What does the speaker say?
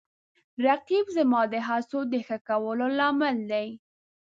رقیب زما د هڅو د ښه کولو لامل دی